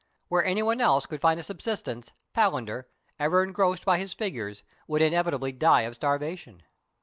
Where any one else could find a subsistence, Palander, ever engrossed by his figures, would inevitably die of starvation.